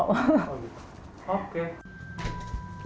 oh gitu oke